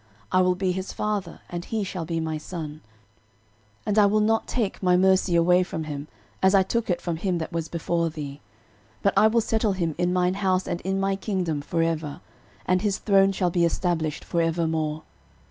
13:017:013 I will be his father, and he shall be my son: and I will not take my mercy away from him, as I took it from him that was before thee: 13:017:014 But I will settle him in mine house and in my kingdom for ever: and his throne shall be established for evermore.